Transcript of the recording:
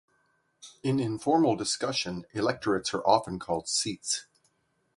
In informal discussion, electorates are often called seats.